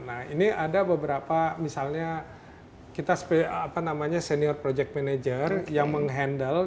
nah ini ada beberapa misalnya kita apa namanya senior project manager yang menghandle